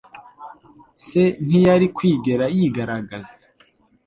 Se ntiyari kwigera yigaragaza.